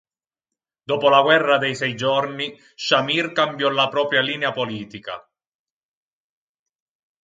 Dopo la guerra dei sei giorni Shamir cambiò la propria linea politica.